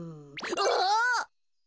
あっ！